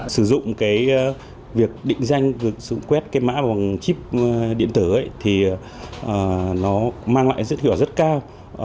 sử dụng việc định danh sử dụng quét mã bằng chip điện tử thì nó mang lại sự hiệu quả rất cao